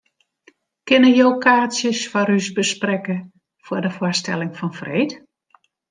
Kinne jo kaartsjes foar ús besprekke foar de foarstelling fan freed?